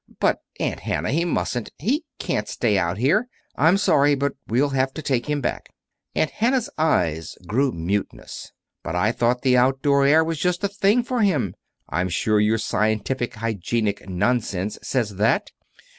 "But, Aunt Hannah, he mustn't he can't stay out here. I'm sorry, but we'll have to take him back." Aunt Hannah's eyes grew mutinous. "But I thought the outdoor air was just the thing for him. I'm sure your scientific hygienic nonsense says _that!